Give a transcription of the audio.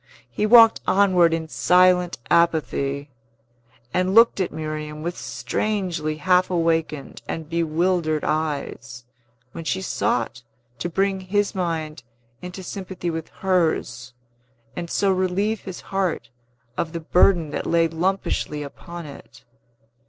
He walked onward in silent apathy, and looked at Miriam with strangely half awakened and bewildered eyes, when she sought to bring his mind into sympathy with hers, and so relieve his heart of the burden that lay lumpishly upon it.